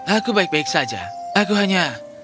aku baik baik saja aku hanya